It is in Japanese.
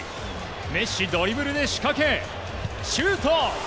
メッシ、ドリブルで仕掛けシュート！